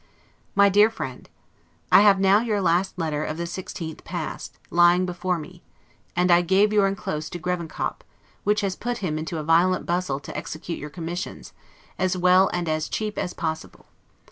MY DEAR FRIEND: I have now your last letter, of the 16th past, lying before me, and I gave your inclosed to Grevenkop, which has put him into a violent bustle to execute your commissions, as well and as cheap as possible.